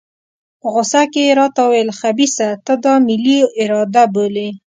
په غوسه کې یې راته وویل خبیثه ته دا ملي اراده بولې.